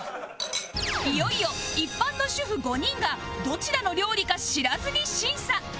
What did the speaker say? いよいよ一般の主婦５人がどちらの料理か知らずに審査